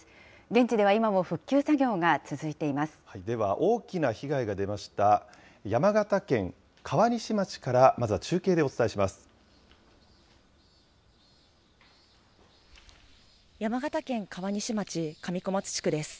現地では今も復旧作業が続いていでは大きな被害が出ました、山形県川西町から、まずは中継でお伝えします。